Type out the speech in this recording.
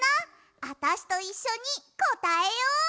あたしといっしょにこたえよう！